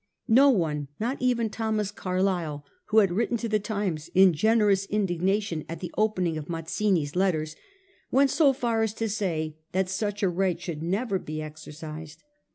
No one, not even Thomas Carlyle, who had written to the Times in generous indignation at the opening of Mazzini's letters, went so far as to say that such a right should never be exercised.